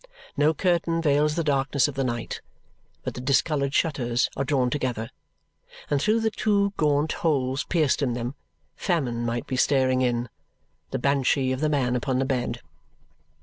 No curtain veils the darkness of the night, but the discoloured shutters are drawn together, and through the two gaunt holes pierced in them, famine might be staring in the banshee of the man upon the bed.